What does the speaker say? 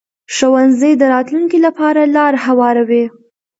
ښوونځی د راتلونکي لپاره لار هواروي